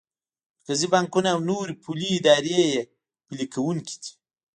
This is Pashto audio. مرکزي بانکونه او نورې پولي ادارې یې پلي کوونکی دي.